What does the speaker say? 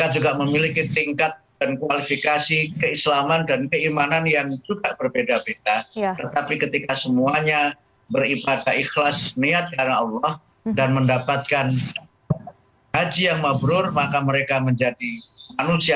juga tidak berhenti